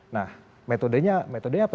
nah metodenya apa